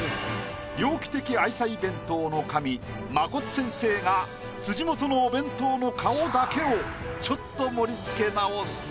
猟奇的愛妻弁当の神まこつ先生が辻元のお弁当の顔だけをちょっと盛り付け直すと。